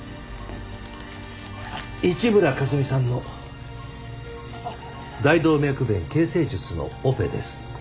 一村香澄さんの大動脈弁形成術のオペです。